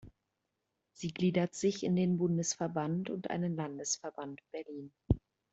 Sie gliedert sich in den Bundesverband und einen Landesverband Berlin.